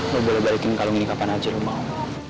lo boleh balikin kalung ini kapan aja lo mau